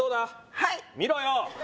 はい見ろよ！